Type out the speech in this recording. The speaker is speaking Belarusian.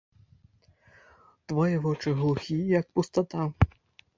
Твае вочы глухія, як пустата.